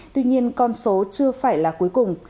tuy nhiên con số chưa phải là cuối cùng